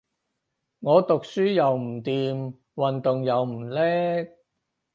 我讀書又唔掂，運動又唔叻